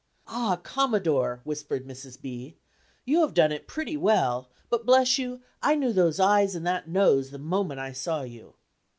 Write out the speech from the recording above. "Ah, Commodore," whispered Mrs. B., "you have done it pretty well, but bless you, I knew those eyes and that nose the moment I saw you."